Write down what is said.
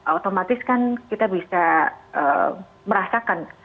otomatis kan kita bisa merasakan